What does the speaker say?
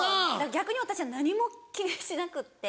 逆に私は何も気にしてなくって。